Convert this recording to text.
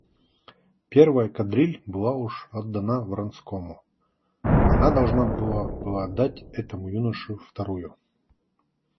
Первая кадриль была уж отдана Вронскому, она должна была отдать этому юноше вторую.